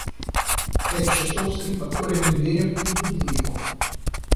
В пять часов скрип отворенной двери разбудил его.